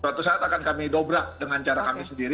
suatu saat akan kami dobrak dengan cara kami sendiri